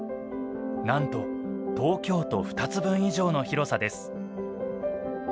なんと東京都２つ分以上の広さです。